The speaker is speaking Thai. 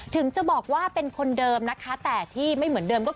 ถึงจะบอกว่าเป็นคนเดิมนะคะแต่ที่ไม่เหมือนเดิมก็คือ